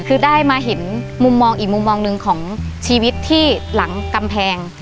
คือได้มาเห็นมุมมองอีกมุมมองหนึ่งของชีวิตที่หลังกำแพง